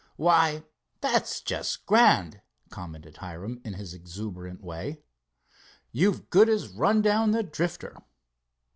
"Why, that's just grand," commented Hiram in his exuberant way. "You've good as run down the Drifter."